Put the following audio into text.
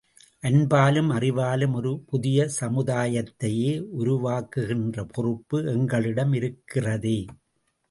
அன்பாலும் அறிவாலும் ஒரு புதிய சமுதாயத்தையே உருவாக்குகின்ற பொறுப்பு எங்களிடம் இருக்கிறதே!